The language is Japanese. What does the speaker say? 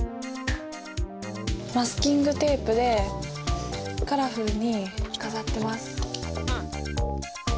マスキングテープでカラフルに飾ってます。